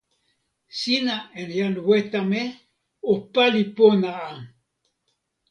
sina en jan Wetame o pali pona a!